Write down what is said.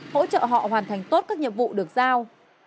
hỗ trợ họ hoàn thành tốt các nhiệm vụ được giao